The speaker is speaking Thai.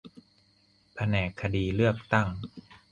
แผนกคดีเลือกตั้ง